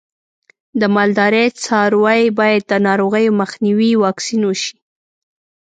د مالدارۍ څاروی باید د ناروغیو مخنیوي واکسین شي.